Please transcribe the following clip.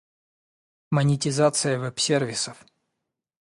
Монетизация веб-сервисов